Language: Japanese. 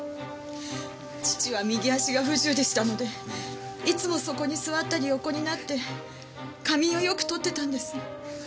父は右足が不自由でしたのでいつもそこに座ったり横になって仮眠をよく取ってたんです。